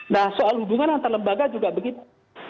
nah soal hubungan antar lembaga juga begitu